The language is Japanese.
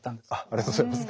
ありがとうございます。